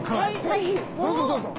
是非どうぞどうぞ。